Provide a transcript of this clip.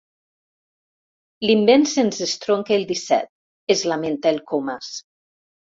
L'invent se'ns estronca el disset —es lamenta el Comas.